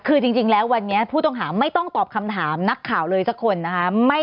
คือจริงแล้ววันนี้ผู้ต้องหาไม่ต้องตอบคำถามนักข่าวเลยสักคนนะคะ